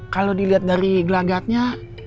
kalo diliat dari gelagatnya